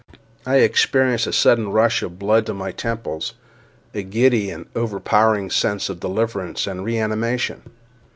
I experienced a sudden rush of blood to my temples—a giddy and overpowering sense of deliverance and reanimation.